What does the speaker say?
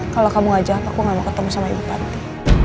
kalo kamu gak jawab aku gak mau ketemu sama ibu panti